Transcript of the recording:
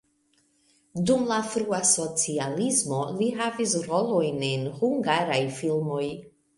Dum la frua socialismo li havis rolojn en hungaraj filmoj.